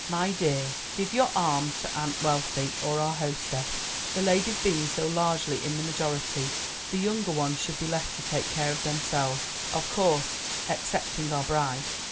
"My dear, give your arm to Aunt Wealthy, or our hostess. The ladies being so largely in the majority, the younger ones should be left to take care of themselves; of course excepting our bride.